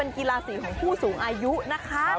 กีฬาสีของผู้สูงอายุนะคะ